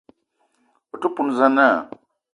O te poun za na?